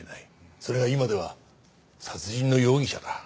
それが今では殺人の容疑者だ。